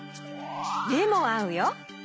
めもあうよ。